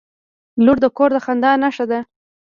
• لور د کور د خندا نښه ده.